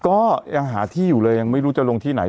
ก็ยังหาที่อยู่เลยยังไม่รู้จะลงที่ไหน